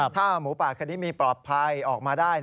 ถ้าหมูป่าคันนี้มีปลอดภัยออกมาได้